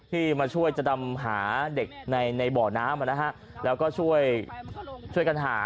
ที่มาช่วยใจดำหาเด็กในเบาะน้ำแล้วซึ่งช่วยกันหา